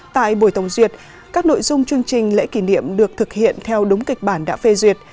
tại buổi tổng duyệt các nội dung chương trình lễ kỷ niệm được thực hiện theo đúng kịch bản đã phê duyệt